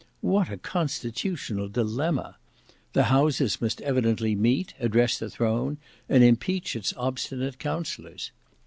What a constitutional dilemma? The Houses must evidently meet, address the throne, and impeach its obstinate counsellors.